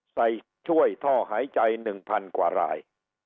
ช่วยท่อหายใจ๑๐๐กว่าราย